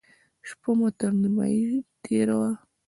شپه هم تر نيمايي تېره وه.